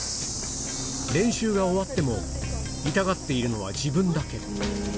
練習が終わっても、痛がっているのは自分だけ。